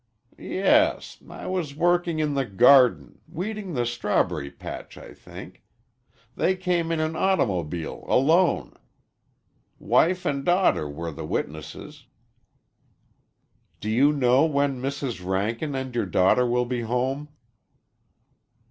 "Yes. I was working in the garden weeding the strawberry patch, I think. They came in an automobile alone. Wife and daughter were the witnesses." "Do you know when Mrs. Rankin and your daughter will be home?"